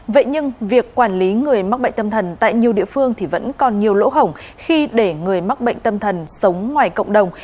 vậy nhưng việc quản lý người mắc bệnh tâm thần tại nhiều địa phương thì vẫn còn nhiều lỗ hổng khi để người mắc bệnh tâm thần sống ngoài cộng đồng